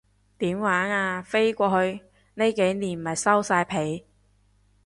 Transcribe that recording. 點玩啊，飛過去？呢幾年咪收晒皮